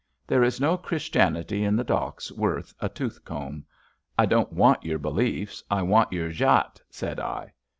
There is no Christianity in the docks worth a tooth comb. I don't want your beliefs. I want your jat/^ said I.